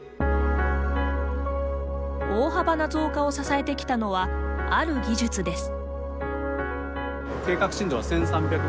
大幅な増加を支えてきたのはある技術です。